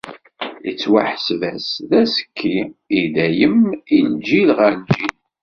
Ittwaḥseb-as d azekki, i dayem, si lǧil ɣer lǧil.